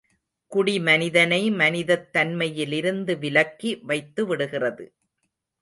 குடி மனிதனை மனிதத் தன்மையிலிருந்து விலக்கி வைத்துவிடுகிறது.